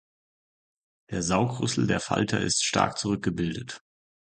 Der Saugrüssel der Falter ist stark zurückgebildet.